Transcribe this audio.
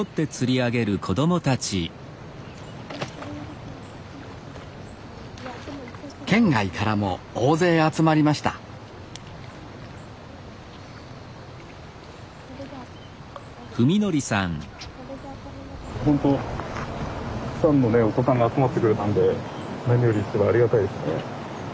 お子さんが集まってくれたんで何よりありがたいですね。